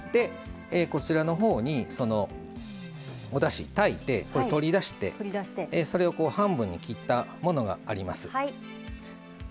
こちらのほうに、おだし炊いて取り出してそれを半分に切ったものがあります。